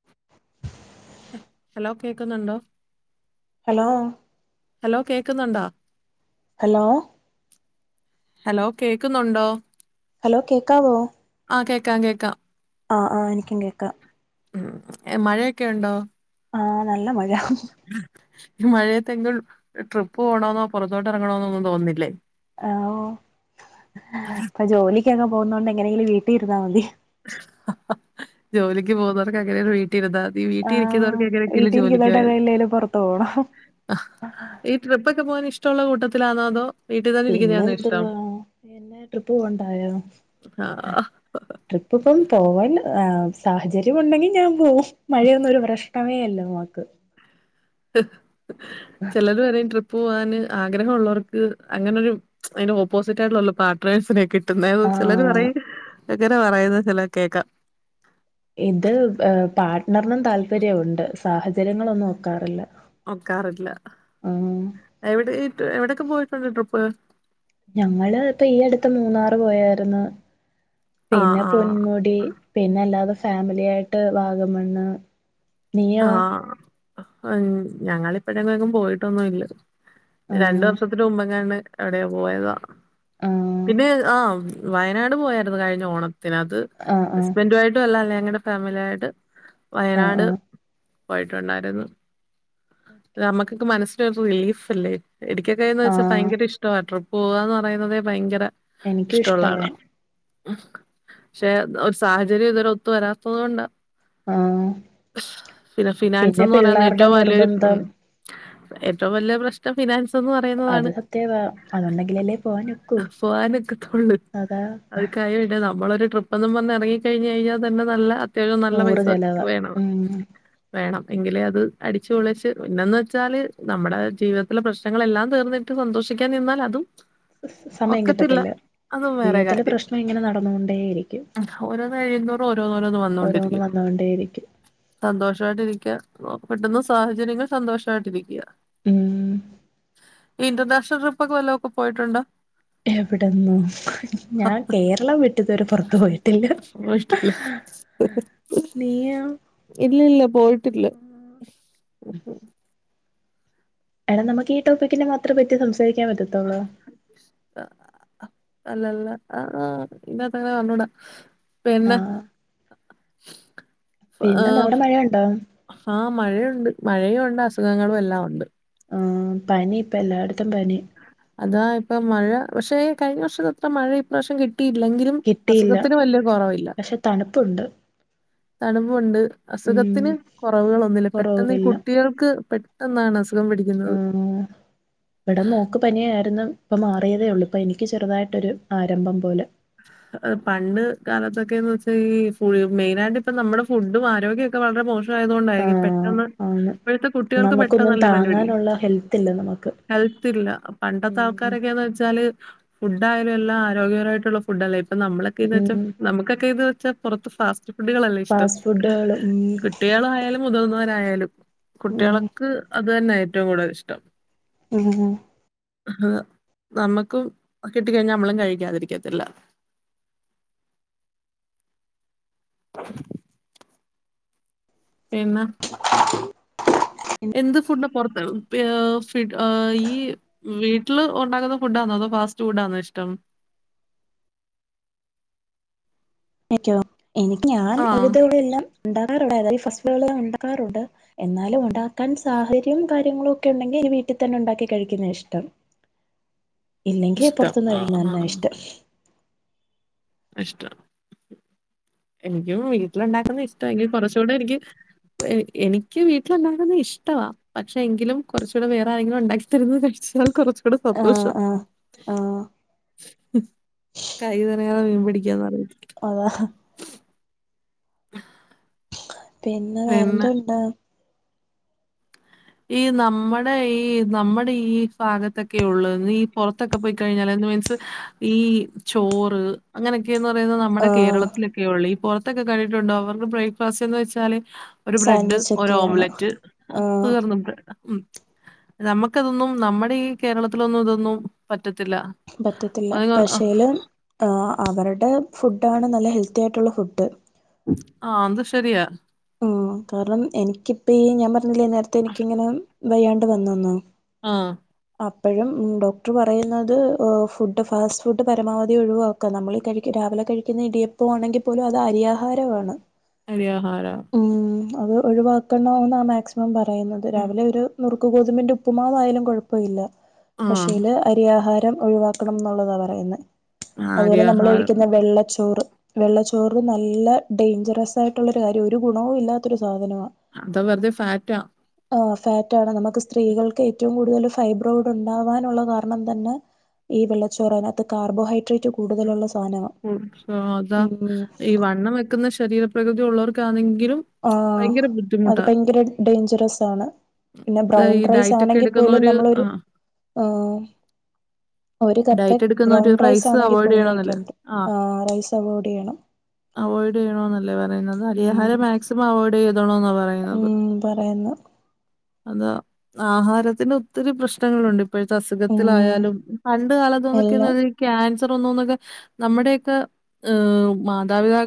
[inaudible] Hello കേക്കുന്നുണ്ടോ hello hello കേൾക്കുന്നുണ്ടോ? Hello hello കേക്കുന്നുണ്ടോ? ഹലോ കേക്കാവോ? ആഹ് കേക്കാം കേക്കാം. ആ ആ എനിക്കും കേക്കാം. ഉ മഴയൊക്കെ ഉണ്ടോ? ആഹ നല്ല മഴ ഈ മഴയത്തെ എങ്കിലും ട്രിപ്പ് പോണോെന്നോ പുറത്തോട്ട ഇറങ്ങണമെന്നോ ഒന്നും തോന്നുന്നില്ലേ. ഹാവു ഓ ഇപ്പൊ ജോലിക്കൊക്കെ പോകുന്നോണ്ട് എങ്ങനെങ്കിലും വീട്ടീ ഇരുന്നാൽ മതി. ജോലിക്ക് പോകുന്നവർക്ക് അങ്ങനെ ഒരു വീട്ട ട്ടരുന്നാതീ അ ഈ ആഹ് വീട്ടിലിരിക്കുന്നവർക്ക് ങ്ങനൊങ്കിലും വീട്ടിലിരിക്കുന്നോണ്ട് ജോലികോയമതീ. എവിടേലും പുറത്തു പോണം ഈ ട്രിപ്പൊക്കെ പോകൻ ഇഷ്ടമുള്ള കൂട്ടത്തിലാണോ അതോ വീട്ടിൽ തന്നെ പിന്നെ ഇരിക്കുന്നതാണോ ഇഷ്ടം എതുവാ എന്നെ ട്രിപ്പ് പോണ്ടായോ. ആ. ട്രിപ്പ് ഇപ്പം പോവാൻ സാഹചര്യം ഉണ്ടെങ്കിൽ ഞാൻ പോകവും മഴയൊന്നും ഒരു പ്രശ്നമേ അല്ല നോക്ക് ചിലരും പറയും ട്രിപ്പ് പോകാന് ആഗ്രഹഉള്ളവർക്ക് അങ്ങനൊരു അതിന്റെ ഓപ്പോസിറ്റ് ആയിട്ടുള്ള പാർട്നേഴ്സിനെക്കെ ട്ടുന്നെ, പിന്നെ ചിലർ ആഹ് പറയും എങ്ങനെ പറയുന്ന ചില കേക്കാം. ഇത് പാർട്ണറിനും താല്പര്യവുണ്ട്. സാഹചര്യങ്ങളൊന്നും ഒക്കാറില്ല. നോക്കാറില്ല. എവിടെ എവിടെക്കെ പോയിട്ടുണ്ട് ട്രിപ്പ്കൾ ഞങ്ങള് ഇപ്പ ഈ അടുത്ത് മൂന്നാറ് പോയായിരുന്നു, ആഹ് പിന്നെ ആഹ് പൊന്മുടി പിന്നല്ലാതെ ഫാമിലി ആയിട്ട് വാഗമണ്ണ് നീയോ ആഹ് അഞ് ഞങ്ങളിപ്പഴെങ്ങങ്ങും പോയിട്ടൊന്നുംല്ല. രണ്ട് ആഹ് വർഷത്തിന് മുമ്പെങ്ങാണ്ട് എവിടെയോ പോയത, ആഹ് പിന്നെ ആഹ് വയനാട് പോയായിരുന്നു കഴിഞ്ഞ ഓണത്തിന്, അത് ആഹ് ഹസ്ബൻന്റു ആയിട്ടുഅല്ല അല്ലേ ഞങ്ങടെ ഫാമിലി ആയിട്ട് ആഹ് വയനാട് ആഹ് പോയിട്ടുണ്ടായിരുന്നു. ഉം നമുക്കൊക്ക മനസിനൊരു റിലീഫല്ലേ. എനികൊക്കെ എന്ന് വെച്ച ആഹ് ഭയങ്കര ഇഷ്ടവ ട്രിപ്പ് പോവാന്ന് പറയുന്നതെ ഭയങ്കര എനിക്കും ഇഷ്ടവുള്ള ഇഷ്ടവാ ആളാ. ഹ് ക്ഷെ ഒരു സാഹചര്യം ഇതുവരെ ഒത്തു വരാത്തത് കൊണ്ടാ. ആഹ് പിന്നെ പിന്നെ ഫിനാൻസ്ന്ന് പറയുന്നത് പിള്ളേരുടെ ഏറ്റവും വലൊരു നിർബന്ധം ഏറ്റവും വല്യ പ്രശ് നം ഫിനാൻസ്ന്ന് അത് പറയുന്നതാണ്. സത്യവാ അതുണ്ടെങ്കിലല്ലേ പോവാൻ ഒക്കൂ ഫോവാനൊക്കെത്തൊള്ളു. അതാ അത് കയ്യെൻണ്ടെ, നമ്മളൊരു ട്രിപ്പെന്നും പറഞ്ഞ് എറങ്ങി കഴിഞ്ഞെഴിഞ്ഞാ തന്നെ നല്ല അ ത്യാവശ്യം നല്ല നൂറ് പൈസ ചെലവാ വേണം. ഉം വേണം എങ്കിലെഅത് അടിച്ചുപൊളിച് ച്ച് പിന്നന്ന് വെച്ചാല് നമ്മുടെ ജീവിതത്തിലെ പ്രശ്നങ്ങളെല്ലാം തീർന്നിട്ട് സന്തോഷിക്കാൻ നിന്നാൽ അതും സമയം ഒക്കത്തില്ല കിട്ടത്തില്ല. അതും വേറെ ജീവിതത്തിലെ കാര്യം പ്രശ്നം ഇങ്ങനെ നടന്നുകൊണ്ടേയിരിക്കും. ഓരോന്ന് കഴിയുന്തോറും ഓരോന്നോരോന്ന് ഓരോന്ന് വന്ന് ന്നോണ്ടേ ഇരിക്കും. സന്തോഷവായിട്ടിരിക്കുക, കിട്ടുന്ന സാഹചര്യങ്ങൾ സന്തോഷവായിട്ടിരിക്കുക. ഉം ഇന്റർനാണൽ ട്രിപ്പ്ക്കെ വല്ലതൊക്കെ പോയിട്ടുണ്ടോ? എവിടന്നു, ഞാൻ കേരളം വിട്ട് ത്‌വരെ പൊറത്ത് പോയിട്ടില്ല. നിങ്ങൾ പോയിട്ടുണ്ടോ, നീയോ ഇല്ല ഇല്ല പോയിട്ടില്ല. എടാ നമുക്കീ ടോപ്പിക്കിനെ മാത്ര പറ്റി സംസാരിക്കാൻ പറ്റത്തൊള്ളോ അല്ലല്ല ആഹ ഇന്നാ തര അറിഞ്ഞുടാ. പിന്നെ ആഹ് ഫ പിന്നെന്താ അവിടെ ആഹ് മഴയുണ്ടോ ഹാ മഴയുണ്ട്. മഴയുണ്ട് അസുഖങ്ങളും എല്ലാം ഒണ്ട്. ആ പനി ഇപ്പ എല്ലായിടത്തും പനി. അതാ ഇപ്പം മഴ പക്ഷേ കഴിഞ്ഞ വർഷത്തത്രെ മഴ ഇപ്രാവശ്യം കിട് ട്ടിയില്ലെങ്കിലും കിട്ടിയില്ല അസുഖത്തിന് വലിയ കുറവില്ല പക്ഷെ തണുപ്പുണ്ട്. തണുപ്പുണ്ട്. ഉം അസുഖത്തിന് കൊറവുകളൊന്നുല്ല, പെട്ടെന്ന് ഈ കുറവില്ല കുട്ടികൾക്ക് പെ ട്ടൊന്നാണസുഖം പിടി ആഹ് വട മോ ക്ക് പനിയായിരുന്നു. ഇപ്പ മാറിയതേ ഉള്ളൂ. ഇപ്പൊ എനിക്ക് ചെറുതായിട്ടൊരു ആരംഭം പോലെ. പണ്ട് കാലത്തൊക്കെന്ന് വെച്ചാ ഈ ഫു മെയിനായിട്ട് ഇപ്പ നമ്മുടെ ഫുഡും ആരോഗ്യം ഒക്കെ വളരെ മോശ് യായതുകൊണ്ടായിരിക്കും. ആഹ് പെട്ടെന്ന് ആണ് ഇപ്പഴത്തെ കുട്ടികൾക്ക് നമുക്കൊന്നും പെട്ടെന്നല്ലേ പനിപിടിക്ക താങ്ങാനുള്ള ഹെൽത്ത് ഇല്ല നമുക്ക് ഹെൽത്തില്ല. പണ്ടത്തെ ഉം ആൾക്കാരൊക്കെന്ന് വെച്ചാല് ഫുഡായാലും എല്ലാം ആരോഗ്യപരമായിട്ടുള്ള ഫു ഫുഡല്ലേ, ഇപ്പ നമ്മളൊക്കെ എന്ന് വെച്ചാ ഉം നമുക്കൊക്കെ ഇത് വെച്ചാ പുറത്ത് ഫാസ്റ്റ് ഫുഡുകളല്ലേ ഇഷ്ടം. ഫാസ്റ്റ് ഫുഡുകളും കുട്ടികളായാലും മുതിർന്നവരായാലും. ഉം കുട്ടികൾക്ക് അത് തന്നാ ഏറ്റവും കൂടുതൽ ഇഷ്ടം. ഉം ഹ് ഹ് നമ്മുക്കും കിട്ടിക്കഴിഞ്ഞാൽ നമ്മളും കഴിക്കാതിരിക്കത്തില്ല. പിന്ന, എന്ത് ഫുഡ് പൊറത്ത് ഫി ഫിഡ് ആ ഈ വീട്ടിൽ ഒണ്ടാക്കുന്ന ഫുഡ് ആന്നോ അതോ ഫാസ്റ്റ് ഫുഡാന്നോ ഇഷ്ടം? എനിക്കോ എനിക്ക് ഞാൻ ആഹ് ഒരുവിധം ഇവിടെ എല്ലാം [unintelligible] ഫസ്റ്റ് ടൈമിൽ ഇണ്ടാക്കാറുണ്ട്. എന്നാലും ഒണ്ടാക്കാൻ സാഹര്യം കാര്യങ്ങളും ഒക്കെ ഒണ്ടെങ്കി വീട്ടിത്തന്നെ ഒണ്ടാക്കി കഴിക്കുന്നെയാ ഇഷ്ടം. ഇല്ലെങ്കിൽ ഇഷ്ടം പുറത്തുനിന്ന് ആഹ് കഴിക്കുന്ന തന്നെ ആഹ് ഇഷ്ടം ഇഷ്ടം എനിക്കും വീട്ടിലുണ്ടാക്കുന്ന ഇഷ്ട എങ്കിലും കൊറച്ചൂടെ എനിക്ക് വ് എ എനിക്ക് വീട്ടില് ഒണ്ടാക്കുന്നത് ഇഷ്ടവാ. പക്ഷേ എങ്കിലും കൊറച്ചുടെ വേറെ ആരെങ്കിലും ഒണ്ടാക്കിത്തരുന്നത് കഴിച്ചാൽ കൊറച്ച് [unintelligible] ആഹ് സന്തോഷം ആഹ് ആഹ് കൈ നെറ ആഹ് മീൻ പിടിക്കാന്ന് [unintelligible] അതാ. ആ പിന്നെ വേറെ എന്തുണ്ട്? ഈ നമ്മടെ ഈ നമ്മടെ ഈ ഭാഗത്തൊക്കെ ഉള്ള് ഈ പൊറത്തൊക്കെ പോയിക്കഴിഞ്ഞാല് [unintelligible] മീൻസ് ഈ ചോറ് അങ്ങനെയൊക്കെന്ന് പറയുന്നത് നമ്മുടെ ആഹ് കേരളത്തിലൊക്കെയൊള്ള്, ഈ പൊറത് [unintelligible] കണ്ടിട്ടുണ്ടോ? അവർക്ക് ബ്രേക്ക്ഫാസ്റ്റ് എന്ന് വെച്ചാല് ഒരു ബ്രെഡ്, സാൻഡ്വിച്ച് ഒരു ഒക്കെയാണ് ഓംലറ്റ്. ആഹ് [unintelligible] നമുക്കതൊന്നും നമ്മടെ ഈ കേരളത്തിലൊന്നും ഇതൊന്നും പറ്റത്തില്ല. പറ്റത്തില്ല, അത് ആ പക്ഷേല് ആഹ് അവരുടെ ഫുഡാണ് നല്ല ഹെൽത്തി ആയിട്ടുള്ള ഫുഡ്. ആ അത് ശെരിയാ. മ് കാരണം എനിക്കിപ്പ ഈ ഞാൻ പറഞ്ഞില്ലേ നേരത്തെ എനിക്കിങ്ങനെ വയ്യാണ്ട് വന്നുന്ന്. ആഹ് അപ്പഴും ഡോക്ടർ പറയുന്നത് ഏഹ് ഫുഡ് ഫാസ്റ്റ് ഫുഡ് പരമാവധി ഒഴുവാ ക്ക നമ്മൾ ഈ കഴിക് രാവിലെ കഴിക്കുന്ന ഇടിയപ്പം ആണെങ്കിൽ പോലും അത് അരി ആഹാരവാണ്. അരി ആഹാരം. മ് അത് ഒഴിവാക്കണമെന്നാണ് മാക്സിമം പറയുന്നത്, ഉം. രാവിലെ ഒരു നുറുക്ക് ഗോതമ്പിന്റെ ഉപ്പുമാവ് ആയാലും കുഴപ്പോല്ല, പക്ഷേല് അരിയാഹാരം ഒഴിവാക്കണംന്നുള്ളതാ പറയുന്നെ, ആ അതുപോലെ നമ്മള് അരിയാഹാരം. കഴിക്കുന്ന വെള്ളച്ചോറ്. വെള്ളച്ചോറ് നല്ല ഡേയിഞ്ചറസ് ആയിട്ടുള്ളൊരു കാര്യ, ഒരു ഗുണവും ഇല്ലാത്തൊരു സാധനവാ. അത് വെറുതെ ഫാറ്റാ. ആഹ് ഫാറ്റാണ് നമ്മക്ക് സ്ത്രീകൾക്ക് ഏറ്റവും കൂടുതല് ഫ് ഫൈബ്രോയ്ഡ് ഉണ്ടാവാനുള്ള കാരണം തന്നെ ഈ വെള്ളച്ചോറാ, അതിനാത്ത് കാർബോഹൈഡ്രേറ്റ് കു മ് അതാ ഉം ഈ വണ്ണം വെക്കുന്ന ശരീരം പ്രകൃതി ഉള്ളവർക്കാണെങ്കിലും ആഹ് ഭയങ്കര അത് ബുദ്ധിമുട്ടാ. ഭയങ്കര ഡേയ്ഞ്ചറസാണ്. പിന്നെ ഇത് ബ്രൗൺ ഈ ഡയറ്റ് ഒക്കെ റൈസാണെങ്കി പോലും എടുക്കുന്നോര് ആ നമ്മളൊരു ആഹ് ഒരു കപ്പ് ഡയറ്റ് ബ്രൗൺ എടുക്കുന്നോര് റൈസ് റൈസാണെങ്കി അവോയ്ഡ് പോലും ചെയ്യണോന്നല്ലേ കഴിക്കേണ്ട് ആ റൈസ് അവോയ്ഡ് ചെയ്യണം. അവോയ്ഡ് ചെയ്യണോന്നെല്ലേ പറയുന്നത്, ഉം അരിയാഹാരം മാക്സിമം അവോയ്ഡ് ചെയ്തണോന്നാ പറ ഉം പറയന്നു. അതാ ആഹാരത്തിന് ഒത്തിരി പ്രശ്നങ്ങളുണ്ട് ഇപ്പഴത്തെ ഉം അസുഖത്തിലായാലും. പണ്ട് കാലത്തുന്നൊക്കെ എല്ലാം [unintelligible] ക്യാൻസർ വന്നുന്നൊക്കെ. നമ്മുടെയൊക്കെ ഏഹ് മാതാപിതാ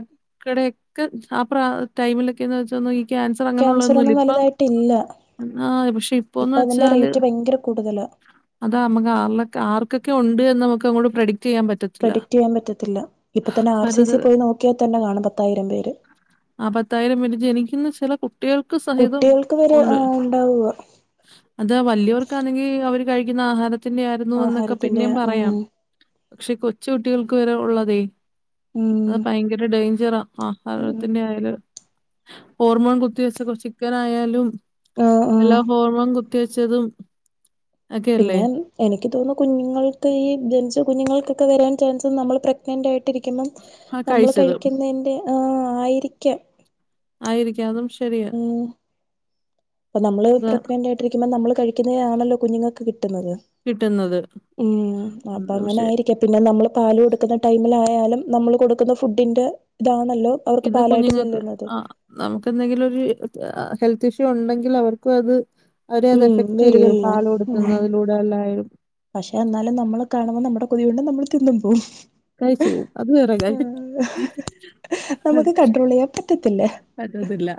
ക്കടയൊക്കെ ആഹ് പ്രാ ടൈമിലൊക്കെന്ന് വെച്ച ഒന്ന് ഈ ക്യാൻസർ അങ്ങനെള്ളതൊന്നുല്ല ഒന്നും ഇപ്പം വലുതായിട്ടില്ല. ആഹ് പക്ഷേ ഇപ്പോന്ന് ഇപ്പൊ അതിന്റെ വെച്ചാല് റേറ്റ് ഭയങ്കര കൂടുതലാ. അതാ നമ്മക്ക് ആർള് ആർക്കൊക്കെ ഒണ്ട്ന്ന് നമുക്ക് അങ്ങോട്ട് പ്രൊഡിക്ട് ചെയ്യാൻ പറ്റ പ്രഡിക്ട് ചെയ്യാൻ പറ്റത്തില്ല, ഇപ്പ തന്നെ ആർ സി പലതര സി പോയി നോക്കിയാ തന്നെ കാണും പത്തായിരം പേര്. ആ പത്തായിരം പിന്നെ ജനിക്കുന്ന ചെല കുട്ടികൾക്ക് സഹിതം കുട്ടികൾക്ക് വരെ ഒണ്ട്. ആഹ് ഉണ്ടാവുക അതാ വലിയവർക്കാന്നെങ്കി അവര് കഴിക്കുന്ന ആഹാരത്തിന്റെയായിരുന്നു എന്നൊക്കെ ആഹാരത്തിന്റെ പിന്നേം ഉം പറയാം. പക്ഷേ കൊച്ചു കുട്ടികൾക്ക് വരെ ഉള്ളതേ. ഉം അത് ഭയങ്കര ഡേയ്ഞ്ചറ ഉം ആഹാരത്തിന്റെ ആയാല് ഹോർമോൺ കുത്തി വെച്ച കുറച്ച് ചിക്കനായാലും ആഹ് ആഹ് എല്ലാ ഹോർമോൺ കു കുത്തിവെച്ചതും ഒക്കെയല്ലേ പിന്നെ എനിക്ക് തോന്നുന്നു കുഞ്ഞുങ്ങൾക്ക് ഈ ജനിച്ച കുഞ്ഞുങ്ങൾക്കൊക്കെ വരാൻ ചാൻസ് നമ്മൾ പ്രെഗ്നന്റായിട്ടിരിക്കുമ്പം ആ നമ്മൾ കഴിച്ചത് കഴിക്കുന്നതിൻ്റെ ആയിരിക്കാം ആയിരിക്കാം അതും ശരിയ ഉം അപ്പൊ നമ്മള് പ്രെഗ്നന്റ് ആയിട്ടിരിക്കുമ്പോ നമ്മള് കഴിക്കുന്നതാണല്ലോ കുഞ്ഞുങ്ങൾക്ക് കിട്ടുന്നത് കിട്ടുന്നത്. ഉം അത് അപ്പ അങ്ങനെ പക്ഷെ ആയിരിക്കാം പിന്നെ നമ്മൾ പാൽ കൊടുക്കുന്ന ടൈമിലായാലും നമ്മൾ കൊടുക്കുന്ന ഫുഡിൻ്റെ ഇതാണല്ലോ അവർക്ക് ഇത് പാലായിട്ട് കുഞ്ഞുങ്ങൾക്ക് ചെല്ലുന്നത് ആ നമുക്ക് എന്തെങ്കിലും ഒരു ഹെൽത്ത് ഇഷ്യൂ ഉണ്ടെങ്കിൽ അവർക്കും അത് അവര് അത് ഉം എഫക്ട് ചെയ്യും വരുവല്ലോ പാലു ഉം കൊടുക്കുന്നതിലൂടെ എല്ലായാലും പക്ഷെ എന്നാലും നമ്മള് കാണുമ്പോ നമ്മുടെ കൊതി കൊണ്ട് നമ്മള് തിന്നും പോകും കഴിച്ചു പോവും അത് വേറെ കാര്യം നമുക്ക് കൺട്രോൾ ചെയ്യാൻ പറ്റത്തില്ല പറ്റത്തില്ല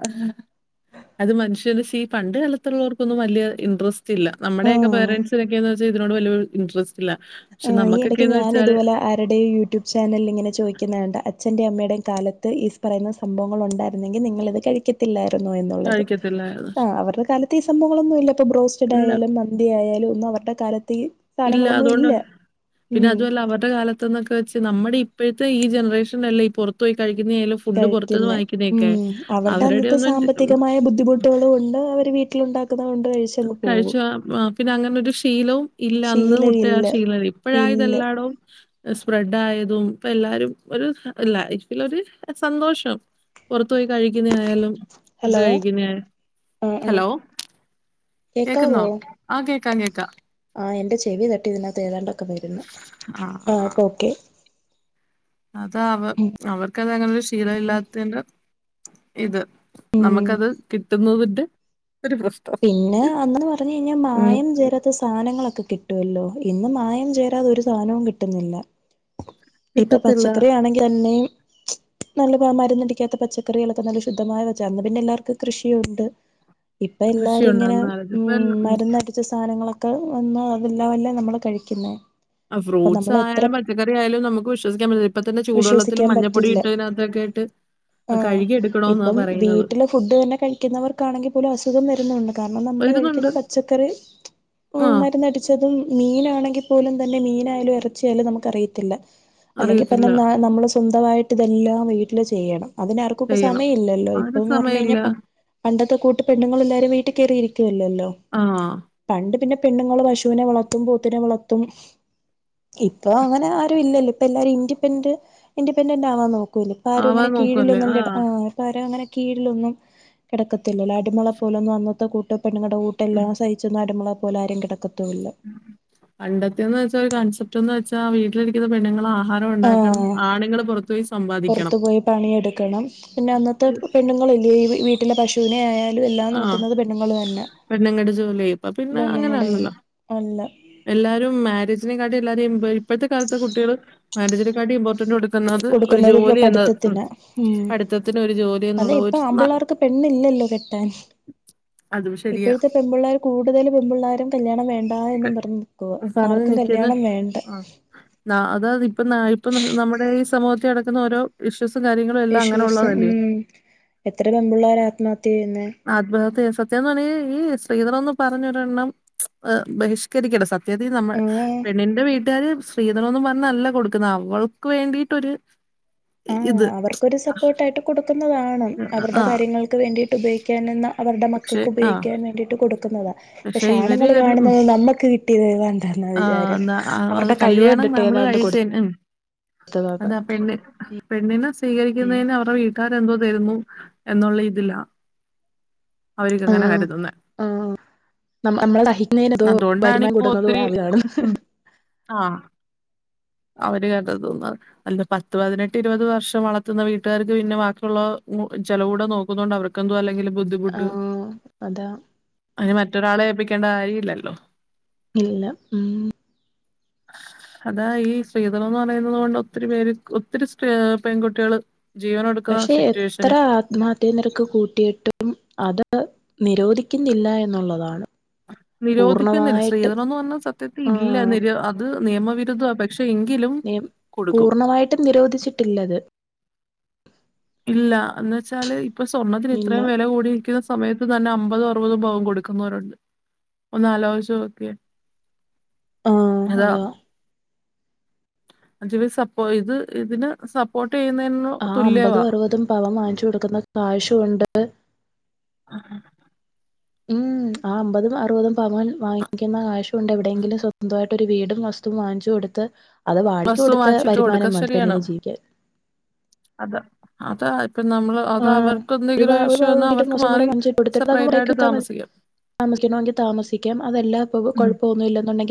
അത് മനുഷ്യനുസി പണ്ട് കാലത്തുള്ളവർക്കൊന്നും വലിയ ഇൻട്രസ്റ്റ് ഇല്ല നമ്മുടെയൊക്കെ ആഹ് പേരൻസ് ന്നൊക്കെന്ന് വെച്ചാ ഇതിനോട് വല്യ ഇൻട്രസ്റ്റ് ഇല്ല പക്ഷെ ആഹ് ഈ നമുക്കൊക്കെ ഇടയ്ക്ക് എന്ന് ഞാൻ വെച്ചാൽ ഇതുപോലെ ആരുടെയോ യൂട്യൂബ് ചാനലലിങ്ങനെ ചോദിക്കുന്നകണ്ട് അച്ഛൻ്റെ അമ്മയുടെയും കാലത്ത് ഈസ് പറയുന്ന സംഭവങ്ങളുണ്ടായിരുന്നെങ്കിൽ നിങ്ങളിത് കഴിക്ക ത്തില്ലായിരുന്നെന്നുള്ളത് കഴിക്കത്തില്ലായിരുന്നു ആഹ് അവരുടെ കാലത്ത് ഈ സംഭവങ്ങളൊന്നുമില്ല ഇപ്പോ ബ്രോസ്റ്റ്ട് ഇല്ല ആയാലും മന്തിയായാലും ഒന്നും അവരുടെ കാലത്ത് സാധനങ്ങളൊന്നും ഇല്ല പിന്നെ ഉം അതുവല്ല അവരുടെ കാലത്തുന്നൊക്കെ വെച്ച് നമ്മുടെ ഇപ്പോഴത്തെ ഈ ജനറേഷനല്ലേ ഈ പുറത്തു പോയി കഴിക്കുന്നെയാലും കഴിക്കുന്നെ ഉം അവരുടെ അന്നത്തെ സാമ്പത്തികമായ ബുദ്ധിമുട്ട് ട്ടുകളും ഉണ്ട് അവര് വീട്ടിലുണ്ടാക്കുന്നതുകൊണ്ട് കഴി കഴിച്ചുവാ പിന്നെ അങ്ങനെ ഒരു ശീലവും ഇല്ല അന്ന് മുട്ടുക ആഹ് ശീലമില്ല ശീലമില്ല ഇല്ല ഇപ്പഴാതെല്ലായിടവും സ്പ്രെഡ് ആയതും ഇപ്പ എല്ലാരും ഒരു ലൈഫിലൊരു സന്തോഷം പുറത്തു പോയി കഴിക്കുന്നതായാലും ഫുഡ് ഹലോ കഴിക്കുന്നെ ആഹ് ആഹ് ഹലോ കേക്കാവോ കേക്കുന്നോ ആഹ് കേക്കാം കേക്കാം ആഹ് എന്റെ ചെവി തട്ടി ഇതിനകത്ത് ഏതാണ്ടൊക്കെ വരുന്നു ആഹ് ഇപ്പോ ഓക്കേ അത് അവ അവർക്കതങ്ങനൊരു ശീലം ഇല്ലാത്തിന്റെ ഇത് ഉം നമുക്കത് കിട്ടുന്നതിന്റെ ഒരു പ്രശ് പിന്നെ അങ്ങനെ പറഞ്ഞ് കഴിഞ്ഞാൽ മായം ചേരാത്തെ സാധനങ്ങളൊക്കെ കിട്ടുവല്ലോ ഇന്ന് മായം ചേരാതെ ഒരു സാധനവും കിട്ടുന്നില്ല ഇപ്പൊ കിട്ടത്തില്ല പച്ചക്കറിയാ ണെങ്കി ലന്നെ നല്ല പ മരുന്നടിക്കാത്ത പച്ചക്കറികളൊക്കെ നല്ല ശുദ്ധമായ വച്ചന്ന് പിന്നെ എല്ലാവർക്കും കൃഷിയുണ്ട് അപ്പ കൃഷി എല്ലാരും ഇങ്ങനെ ഉണ്ടാകുന്ന കാലത്ത് ഉ ഇപ്പ മര്ന്ന് എടുത്‌ കുച്ച സാധനങ്ങളൊക്കെ വന്ന് അതെല്ലാം മല്ലേ നമ്മള് കഴിക്കുന്നേ ആ അപ്പൊ ഫ്രൂ്സ് നമ്മള് എത്ര ആയാലും പച്ചക്കറി ആയാലും നമുക്ക് വിശ്വസിക്കാൻപറ്റില്ല ഇപ്പ തന്നെ ചൂടുള്ളത്തില് വിശ്വസിക്കാൻ മഞ്ഞപ്പൊടി പറ്റില്ല ഇട്ട്തിനകത്തൊക്കെ ട്ട് ആഹ് ഇപ്പം വീട്ടിലേ ഫുഡ് തന്നെ കഴിക്കുന്നവർക്കാണെങ്കിൽ പോലും കാരണം നമ്മള് വരുന്നുണ്ട്. കഴിക്കുന്ന പച്ചക്കറി ആ ടിച്ചതും മീനാണെങ്കിൽ പോലും തന്നെ മീനായാലും ഇറച്ചിയായാലും നമുക്ക് അറിയത്തില്ല അല്ലെങ്കി പിന്നെ അറിയത്തില്ല. ന നമ്മള് സ്വന്തമായിട്ട് ഇതെല്ലാം വീട്ടില് ചെയ്യണം അതിന് ആർക്കും ഇപ്പ ചെയ്യണം. സമയം ഇല്ലല്ലോ അതിന് ഇപ്പന്ന് പറഞ് കഴിഞ്ഞാ സമയമില്ല. പണ്ടത്തെ കൂട്ട് പെണ്ണുങ്ങൾ എല്ലാരും വീട്ടിൽ കയറിയിരിക്കുവല്ലല്ലോ ആ പണ്ട് പിന്നെ പെണ്ണുങ്ങൾ പശുവിനെ വളർത്തും പോത്തിനെ വളർത്തും ഇപ്പൊ അങ്ങനെ ആരും ഇല്ലല്ല ഇപ്പൊ എല്ലാരും ഇൻഡിപെൻറ് ഇൻഡി പെണ്ടന്റ് ആവാൻ നോക്കു ല്ലോ ഇപ്പോ ആരും ആവാൻ അങ്ങനെ നോക്കുവല്ലേ. കീഴിലൊന്നും ആ. ഇപ്പാരും അങ്ങനെ കീഴിലൊന്നും കിടക്കത്തില്ലോ അടിമളെ പോലൊന്നും അന്നത്തെ കൂട്ട ഉം. പെണ്ണുങ്ങളുടെട്ടെല്ലാം സഹിച്ച് അടിമ പോലെ ആരും കിടക്കും പണ്ടത്തെന്ന് വെച്ചാ ഒരു കോൺസെപ്റ്റ് എന്ന് വെച്ചാ വീട്ടിലിരിക്കുന്ന പെണ്ണുങ്ങളാ ആഹാരം ഉണ്ടാക്കണം ആഹ് ആണുങ്ങൾ പുറത്തു പോയി സമ്പാദിക്കണം പുറത്തു പോയി പണിയെടുക്കണം പിന്നെ അന്നത്തെ പെണ്ണുങ്ങളല്ലേ ഈ വി വീട്ടിലെ പശുവിനെ ആയാലും എല്ലാം ആ നോക്കുന്നത് പെണ്ണുങ്ങള് തന്നെ പെണ്ണുങ്ങളുടെ ജോലി. ഇപ്പ പിന്നെ പെണ്ണങ്ങളന്നെ അങ്ങനെയല്ലല്ലോ. അല്ല എല്ലാരും മാര്യേജിനെക്കാളും എല്ലാരും ഇപ്പൊത്തെ കാലത്തെ കുട്ടികള് മാര്യേജിനെക്കാട്ടും ഇമ്പോർട്ടന്റ് കൊടുക്ക ന്നത് ഒരു കൊടുക്കുന്നത് ഇപ്പൊ ജോലി എന്നത് ഉം പഠിത്തത്തിന് ഉം പഠിത്തത്തിന് ഒരു ജോലി അതെ എന്നുള്ള ഇപ്പൊ ഒരു ആമ്പിള്ളേർക്ക് പെണ്ണില്ലല്ലോ കെട്ടാൻ അതും ശരിയാ ഇപ്പോഴത്തെ പെമ്പിള്ളേർ കൂടുതൽ പെമ്പിള്ളേരും കല്യാണം വേണ്ട എന്നും പറഞ്ഞു ആർക്കും കല്യാണം വേണ്ട അത ഇപ്പൊ ഇപ്പൊ നമ്മുടെ ഈ സമൂഹത്തിൽ നടക്കുന്ന ഓരോ ഇഷ്യൂസും കാര്യങ്ങളും എല്ലാം അങ്ങനെയു ഇഷ്യൂസ് ള്ളത് അല്യേ ഉം എത്ര പെമ്പുള്ളാരാ ആത്മഹത്യ ചെയ്യുന്നേ ആത്മഹത്യ സത്യം പറഞ ഈ സ്ത്രീധനം പറഞ്ഞൊരെണ്ണം ബഹിഷ് രിക്കണം സത്യതിൽ നമ്മ ആഹ് പെണ്ണിന്റെ വീട്ടിൽ വീട്ടാര് സ്ത്രീധനൊന്നും പറഞ്ഞല്ല കൊടുക്കുന്ന അവൾക്ക് വേണ്ടിയിട്ടൊരു ആഹ് അവർക്കൊരു സപ്പോർട്ടായിട്ട് കൊടുക്കുന്നതാണ് അവരുടെ ആ കാര്യങ്ങൾക്ക് വേണ്ടിയിട്ട് ഉപയോഗിക്കാനെന്ന അവരുടെ പക്ഷെ മക്കൾക്ക് ആ ഉപയോഗിക്കാൻ വേണ്ടിട്ട് കൊടുക്കുന്നതാ പക്ഷെ ഇവര് ആണുങ്ങൾ അത് ഉം കാണുന്നത് നമ്മുക്ക് കിട്ടിയത്ത് എന്താണ്ട ആഹ് ന്താ അത് കല്യാണം നമ്മള് ഏതാണ്ട് കഴിചെന്നെ കൊടുത്തതാന്ന് അതാ പെണ്ണ് പെണ്ണിനെ സ്വീകരിക്കുന്നതിന് അവരുടെ വീട്ടാര് എന്തോ തരുന്നു എന്നുള്ള ഇതിലാ അവർരോക്കെ അങ്ങനെ കരുതുന്നെ ന നമ്മളട അർഹിക്കുന്നതിന്തോ അതുകൊണ്ടാണ് വരുമാനം ഇപ്പൊ കൂട്ടുന്നതോ ഒത്തിരി അവരാണ് ഉം ആഹ് അവര് കണ്ടത് തോന്ന അല്ല പത്ത് പതിനെട്ട് ഇരുപത് വർഷം വളർത്തുന്ന വീട്ടുകാർക്ക് പിന്നെ ബാക്കിയുള്ള ചിലവൂടെ നോക്കുന്ന കൊണ്ട് അവർക്ക് എന്ത അല്ലെങ്കിൽ ബുദ്ധിമുട്ട് ആഹ് അതാ അയിന് മറ്റൊരാളെ ഏൽപ്പിക്കേണ്ട കാര്യം ഇല്ലല്ലോ ഇല്ല ഉം അതാ ഈ സ്ത്രീധനം എന്ന് പറയുന്നത് കൊണ്ട് ഒത്തിരി പേര് ഒത്തിരി സ്ത്രീ പെൺകുട്ടികള് ജീവനെടു പക്ഷെ എത്ര ആത്മഹത്യന്ന് കൂട്ട്യിട്ടും അത് നിരോധിക്കുന്നില്ല എന്നൊള്ളതാണ് നിരോധിക്കുന്നില്ല ശ്രീധനോന്ന് പറ്ഞ്ഞ സത്യത്തി ഇല്ല ആഹ് നിര്യോ അത് നിയമവിരുദ്ധവാ പക്ഷെ എങ്കിലും കൊടുക്കും പൂർണ്ണവായിട്ടും നിരോധിച്ചിട്ടില്ല അത് ഇല്ല അന്ന് വെച്ചാല് ഇപ്പൊ സ്വർണത്തിന് ഇല്ല ഇത്രേം വെല കൂടി നിക്കു ന്നസമയത്ത് തന്നെ അമ്പതും അറുപതും പവൻ കൊടുക്കുന്നോരുണ്ട് ഒന്ന് അലോയ്ച് നോക്കിയേ അതാ [unintelligible] ഇത് ഇതിന് സപ്പോട്ടെയ്നേനു ആഹ് അമ്പതു അറുപതും പവൻ വാങ്ങ്ച്ചു കൊടുക്കുന്ന കാശ് കൊണ്ട് ആഹ് ഉം ആഹ് അമ്പതും അറുപതും പവൻ വാങ്ങിക്കുന്ന കാശ്ശുണ്ട് എവിടെയെങ്കിലും സ്വന്തവായ്ട്ട് ഒരു വീടും വസ്തൂ വാങ്ങ്ച്ചു കൊടുത്ത് അത് വാടകക്ക് വസ്തു കൊടുത്ത വാങ്ങിച്ചിട്ട് കൊടുക്ക വരുമാനം മതി പെണ്ണിന് ജീവിക്കാൻ അത അതാ ഇപ്പ നമ്മള് അത ആഹ് അവർക്ക് ഒരു എന്തെങ്കിലും ഇഷ്യൂ വന്നാ വീടും അവർക്ക് വസ്തുവും കൂടെ മാറി സെപ്പെറേറ്റായിട്ട് താമസിക്കാം താമസിക്കണോങ്കി താമസിക്കാം അതല്ല ഇപ്പ ഉം കൊഴപ്പ ഒന്നു ഇല്ലെന്നുണ്ടെങ്കി